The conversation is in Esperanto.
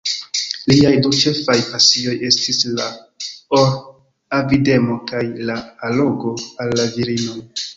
Liaj du ĉefaj pasioj estis la or-avidemo kaj la allogo al la virinoj.